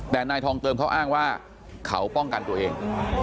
แต่นายทองเติมเขาอ้างว่าเขาป้องกันตัวเอง